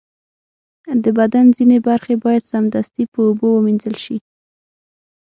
د بدن ځینې برخې باید سمدستي په اوبو ومینځل شي.